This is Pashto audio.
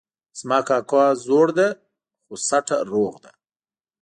زما کاکا زوړ ده خو سټه روغ ده